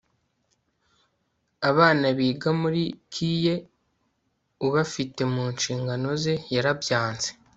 abana biga muri kie ubafite mu nshingano ze yarabyanze